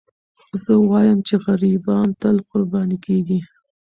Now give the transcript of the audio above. زه وایم چې غریبان تل قرباني کېږي.